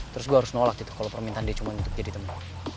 terus gue harus nolak gitu kalau permintaan dia cuma untuk jadi tempat